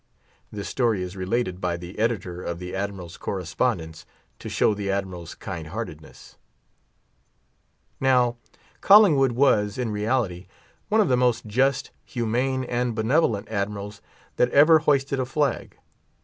This story is related by the editor of the Admiral's "Correspondence," to show the Admiral's kindheartedness. Now Collingood was, in reality, one of the most just, humane, and benevolent admirals that ever hoisted a flag.